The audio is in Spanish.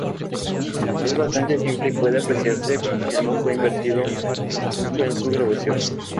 Es bastante simple y puede apreciarse que no fue invertido mucho en su grabación.